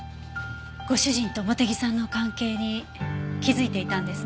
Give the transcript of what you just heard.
ご主人と茂手木さんの関係に気付いていたんですね。